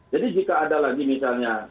jadi jika ada lagi misalnya